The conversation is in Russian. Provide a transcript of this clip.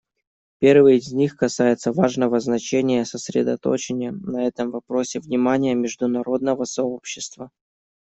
Первый из них касается важного значения сосредоточения на этом вопросе внимания международного сообщества.